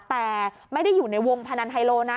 แต่ไม่ได้อยู่ในวงพนันไฮโลนะ